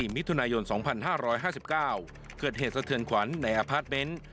มิถุนายน๒๕๕๙เกิดเหตุสะเทือนขวัญในอพาร์ทเมนต์